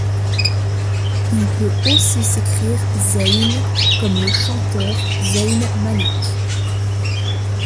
Il peut aussi s'écrire Zayn comme le chanteur Zayn Malik.